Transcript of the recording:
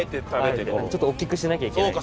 ちょっと大きくしなきゃいけない。